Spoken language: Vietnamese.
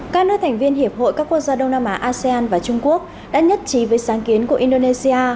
các nơi thành viên hiệp hội các quốc gia đông nam á asean và trung quốc đã nhất trí với sáng kiến của indonesia